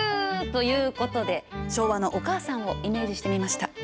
ということで昭和のお母さんをイメージしてみました。